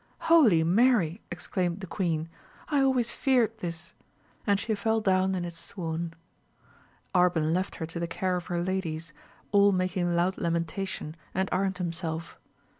Holy Mary ! exclaimed the queen ; I always feared this ! and she fell down in a swoon. Arban left her to the care of her ladies, all making loud lamentation, and armed himself.